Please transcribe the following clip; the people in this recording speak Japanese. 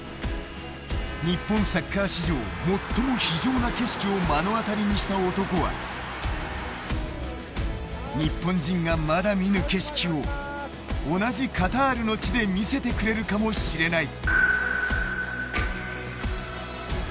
日本サッカー史上最も非情な景色を目の当たりにした男は日本人がまだ見ぬ景色を同じカタールの地で見せてくれるかもしれない。